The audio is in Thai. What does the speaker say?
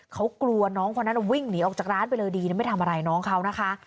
เขากลัวน้องคนนั้นวิ่งหนีออกจากร้านไปเลยดีนะไม่ทำอะไรน้องเขานะคะ